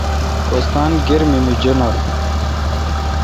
کوستان گرمی می جنت۔